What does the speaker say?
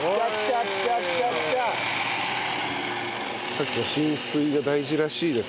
さっきの浸水が大事らしいです。